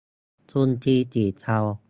ทุนจีนสีเทา